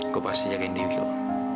aku pasti jagain dewi loh